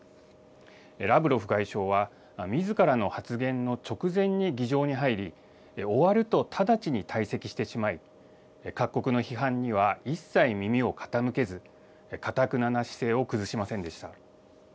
ラブロフ外相は、みずからの発言の直前に議場に入り、終わると直ちに退席してしまい、各国の批判には一切耳を傾けず、かたくなな姿勢を崩しませんでした。